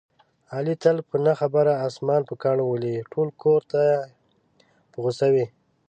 علي تل په نه خبره اسمان په کاڼو ولي، ټول کورته په غوسه وي.